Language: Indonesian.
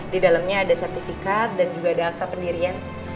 di dalamnya ada sertifikat dan juga ada akta pendirian